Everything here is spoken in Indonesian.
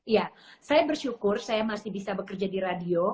ya saya bersyukur saya masih bisa bekerja di radio